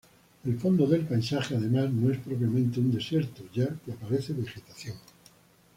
El fondo del paisaje, además, no es propiamente un desierto, ya que aparece vegetación.